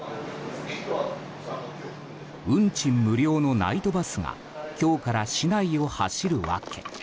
運賃無料のナイトバスが今日から市内を走る訳。